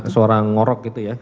suara ngorok gitu ya